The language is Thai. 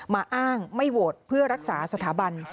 อ้างไม่โหวตเพื่อรักษาสถาบัน